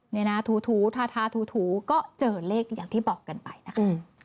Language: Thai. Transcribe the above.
นี่นะถูทาถูก็เจอเลขอย่างที่บอกกันไปนะคะ